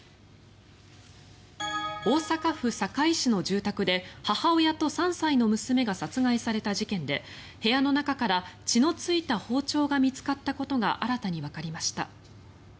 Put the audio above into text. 大阪府堺市の住宅で母親と３歳の娘が殺害された事件で部屋の中から血のついた包丁が見つかったことが新たにわかりました。